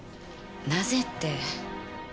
なぜって。